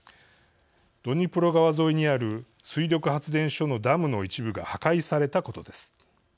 ドニプロ川沿いにある水力発電所のダムの一部が破壊されたことです。